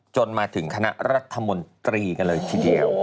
จนมาถึงคณะรัฐมนตรีกันเลยทีเดียว